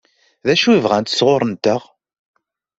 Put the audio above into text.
D acu i bɣant sɣur-nteɣ?